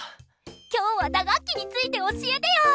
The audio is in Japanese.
今日は打楽器について教えてよ！